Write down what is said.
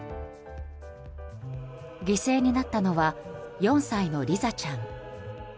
犠牲になったのは４歳のリザちゃん。